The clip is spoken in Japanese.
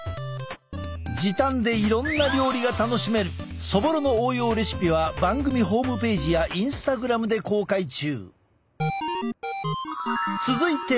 時短でいろんな料理が楽しめるそぼろの応用レシピは番組ホームページやインスタグラムで公開中。